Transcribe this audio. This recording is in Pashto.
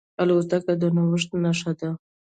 الوتکه د نوښت نښه ده.